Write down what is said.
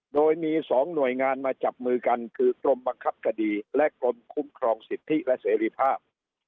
โดยมี๒หน่วยงานมาจับมือกันคือกรมบังคับคดีและกรมคุ้มครองสิทธิและเสรีภาพ